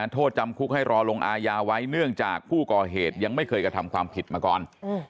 โทษจำคุกให้รอลงอายาไว้เนื่องจากผู้ก่อเหตุยังไม่เคยกระทำความผิดมาก่อน